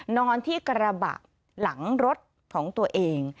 นอนที่กระบะหลังรถของตัวเอง